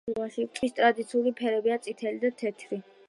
კლუბის ტრადიციული ფერებია წითელი და თეთრი.